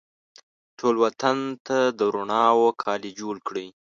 ټول وطن ته د روڼاوو کالي جوړکړي